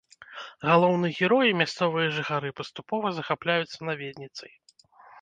Галоўны герой і мясцовыя жыхары паступова захапляюцца наведніцай.